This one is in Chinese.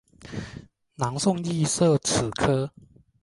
南宋亦设此科。